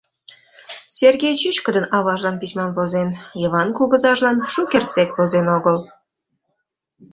Сергей чӱчкыдын аважлан письмам возен, Йыван кугызажлан шукертсек возен огыл.